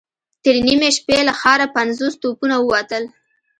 تر نيمې شپې له ښاره پنځوس توپونه ووتل.